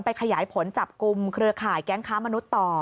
ขยายผลจับกลุ่มเครือข่ายแก๊งค้ามนุษย์ต่อ